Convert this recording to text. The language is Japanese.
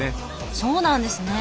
そうなんですね。